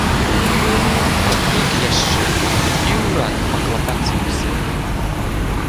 А тут яшчэ і ўрад паклапаціўся.